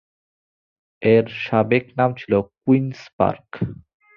এর সাবেক নাম ছিল কুইন্স পার্ক।